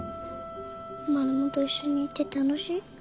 マルモと一緒にいて楽しい？